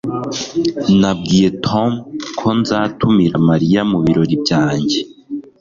Nabwiye Tom ko nzatumira Mariya mubirori byanjye